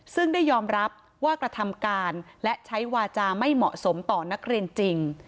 ซึ่งได้ยอมรับว่ากระทำการและใช้วาจาไม่เหมาะสมต่อนักเรียนจริง